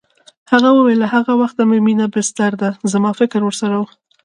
هغه وویل له هغه وخته چې مينه بستر ده زما فکر ورسره و